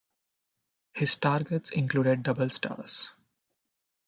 His targets included double stars.